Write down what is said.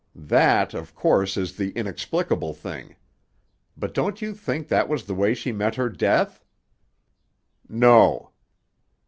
"That, of course, is the inexplicable thing. But don't you think that was the way she met her death?" "No."